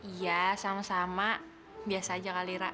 iya sama sama biasa aja kali rak